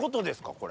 これ。